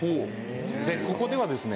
ここではですね